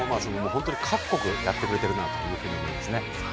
本当に各国やってくれてるなと思いますね。